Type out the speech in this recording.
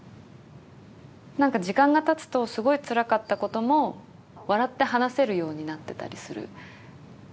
何か時間がたつとすごいつらかったことも笑って話せるようになってたりする。